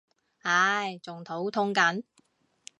唉仲肚痛緊